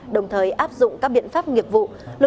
đồng thời áp dụng các biện pháp nghiệp vụ